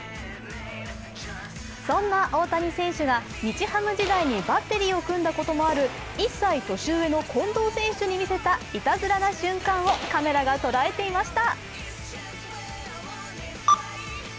そんな大谷選手が日ハム時代にバッテリーを組んだこともある１歳年上の近藤選手に見せたいたずらな瞬間をカメラがとらえていました。